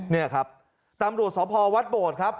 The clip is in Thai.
นี่ครับตำรวจสพวัดโบดครับ